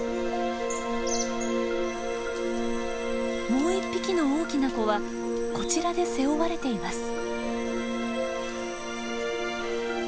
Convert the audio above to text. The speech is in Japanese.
もう１匹の大きな子はこちらで背負われています。